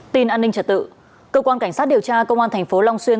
tin an ninh trật tự cơ quan cảnh sát điều tra công an thành phố long xuyên